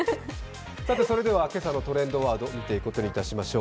それでは今朝のトレンドワードを見ていくことにいたしましょう。